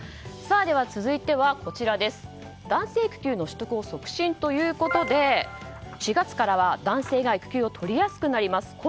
では、続いては、男性育休の取得を促進ということで４月からは男性が育休を取りやすくなります。